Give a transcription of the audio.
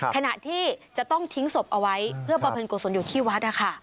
ขณะที่จะต้องทิ้งศพเอาไว้เพื่อประเภนกุศลอยู่ที่วัด